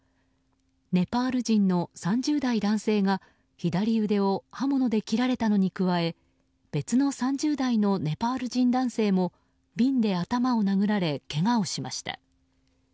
ネパール人の３０代男性が左腕を刃物で切られたのに加え別の３０代のネパール人男性も瓶で頭を殴られけがをしました。